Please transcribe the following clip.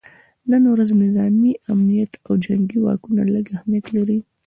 نن ورځ نظامي امنیت او جنګي واکونه لږ اهمیت لري